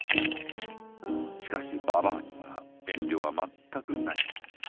しかしばばあには遠慮は全くない。